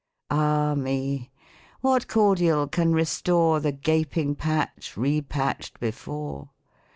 Ah me ! what cordial can restore The gaping patch repatch'd before